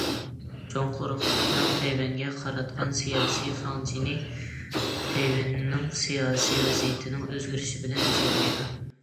چوڭ قۇرۇقلۇقنىڭ تەيۋەنگە قاراتقان سىياسىي فاڭجېنى تەيۋەننىڭ سىياسىي ۋەزىيىتىنىڭ ئۆزگىرىشى بىلەن ئۆزگەرمەيدۇ.